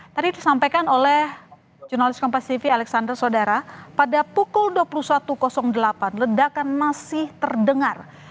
tadi disampaikan oleh jurnalis kompas tv alexander sodara pada pukul dua puluh satu delapan ledakan masih terdengar